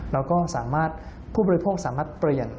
แล้วก็ผู้บริโภคสามารถเปลี่ยน